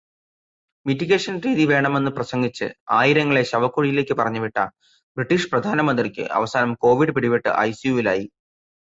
Mitigation രീതി വേണമെന്നു പ്രസംഗിച്ച്, ആയിരങ്ങളെ ശവക്കുഴിയിലേക്ക് പറഞ്ഞുവിട്ട ബ്രിട്ടീഷ് പ്രധാനമന്ത്രിക്ക് അവസാനം കോവിഡ് പിടിപെട്ട് ഐസിയുവിലായി.